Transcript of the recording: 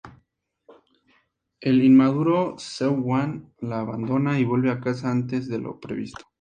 El inmaduro Seung Wan la abandona, y vuelve a casa antes de lo previsto.